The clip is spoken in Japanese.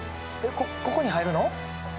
こここに入るの？